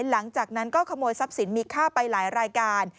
หลังจากนั้นก็ขโมยทรัพย์สินมีค่าไปหลายรายการ